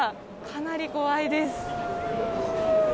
かなり怖いです。